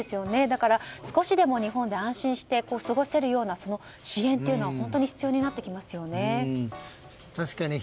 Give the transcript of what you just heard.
だから、少しでも日本で安心して過ごせるような支援というのが本当に必要になってきますよね。